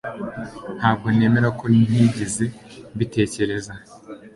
ntabwo nemera ko ntigeze mbitekereza